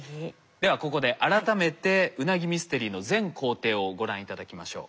ではここで改めてウナギミステリーの全行程をご覧頂きましょう。